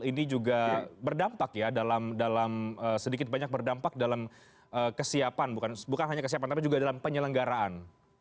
ini juga berdampak ya dalam sedikit banyak berdampak dalam kesiapan bukan hanya kesiapan tapi juga dalam penyelenggaraan